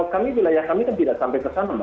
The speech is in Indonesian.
kami wilayah kami kan tidak sampai ke sana mbak